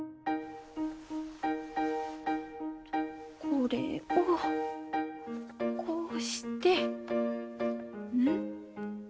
これをこうしてうん？